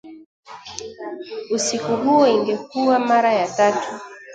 Usiku huo ingekuwa mara ya tatu